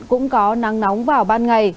cũng có nắng nóng vào ban ngày